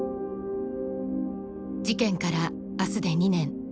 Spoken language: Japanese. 事件から明日で２年。